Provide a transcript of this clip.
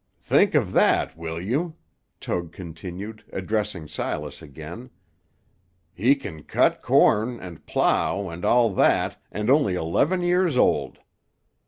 "Think of that, will you," Tug continued, addressing Silas again. "He can cut corn, and plough, and all that, and only eleven years old.